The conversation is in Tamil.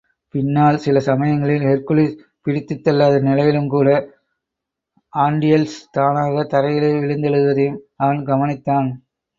பின்னாள் சில சமயங்களில், ஹெர்க்குலிஸ் பிடித்துத் தள்ளாத நிலையிலுங்கூட ஆன்டியள்ஸ் தானாகத் தரையிலே விழுந்தெழுவதையும் அவன் கவனித்தான்.